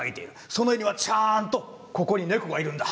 その絵には、ちゃんとここに猫がいるんだ。